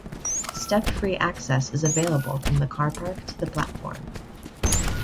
Step-free access is available from the car park to the platform.